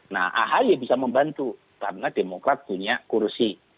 nah ahy bisa membantu karena demokrat punya kursi